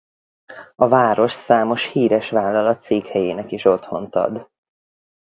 A város számos híres vállalat székhelyének is otthont ad.